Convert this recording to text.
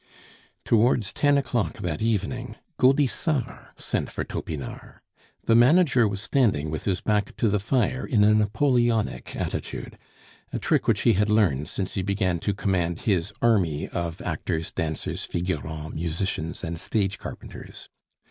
Towards ten o'clock that evening, Gaudissart sent for Topinard. The manager was standing with his back to the fire, in a Napoleonic attitude a trick which he had learned since be began to command his army of actors, dancers, figurants, musicians, and stage carpenters.